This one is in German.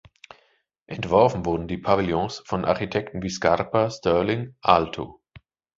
Entworfen wurden die Pavillons von Architekten, wie Scarpa, Stirling, Aalto.